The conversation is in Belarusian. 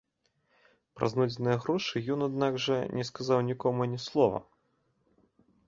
Пра знойдзеныя грошы ён, аднак жа, не сказаў нікому ані слова.